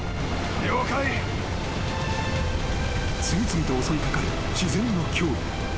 ［次々と襲い掛かる自然の驚異］